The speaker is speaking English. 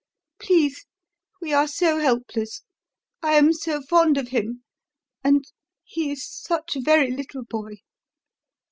Please! we are so helpless I am so fond of him, and he is such a very little boy.